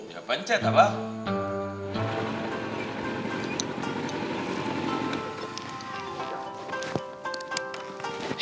ya pencet ya bang